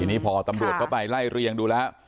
นี่พอตำรวจเข้าไปไล่เรียงดูแล้ว